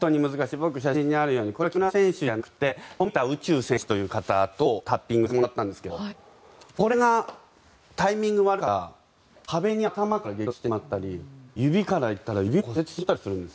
僕、写真にあるようにこれは木村選手じゃなくて富田宇宙選手という方とタッピングをさせてもらったんですがこれがタイミング悪かったら壁に頭から激突してしまったり指からいったら指を骨折してしまったりするんです。